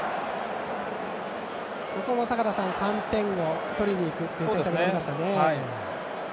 ここも３点を取りにいくという選択になりましたね。